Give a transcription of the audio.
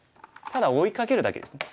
ただ追いかけるだけですね。